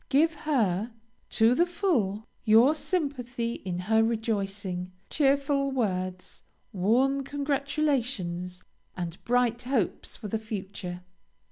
Give her, to the full, your sympathy in her rejoicing, cheerful words, warm congratulations, and bright hopes for the future.